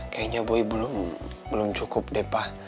kayaknya boy belum cukup deh pa